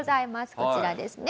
こちらですね。